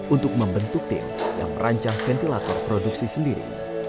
untuk membentuk tim yang merancang ventilator produksi sendiri